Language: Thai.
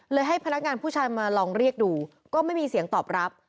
ให้พนักงานผู้ชายมาลองเรียกดูก็ไม่มีเสียงตอบรับ